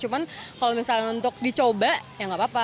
cuma kalau misalkan untuk dicoba ya nggak apa apa